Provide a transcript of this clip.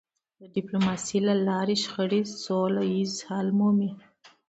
د ډيپلوماسی له لارې شخړې سوله ییز حل مومي.